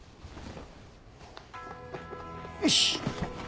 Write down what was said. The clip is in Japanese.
よし！